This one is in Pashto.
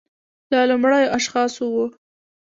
له لومړیو اشخاصو و